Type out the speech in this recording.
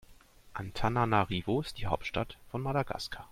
Antananarivo ist die Hauptstadt von Madagaskar.